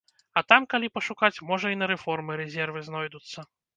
А там, калі пашукаць, можа і на рэформы рэзервы знойдуцца.